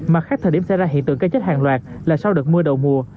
mặt khác thời điểm xảy ra hiện tượng cây chết hàng loạt là sau đợt mưa đầu mùa